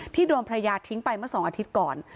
โดนภรรยาทิ้งไปเมื่อ๒อาทิตย์ก่อน